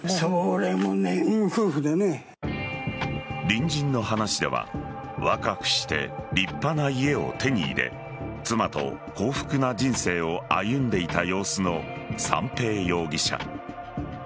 隣人の話では若くして立派な家を手に入れ妻と幸福な人生を歩んでいた様子の三瓶容疑者。